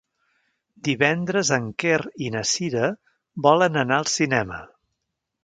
Divendres en Quer i na Cira volen anar al cinema.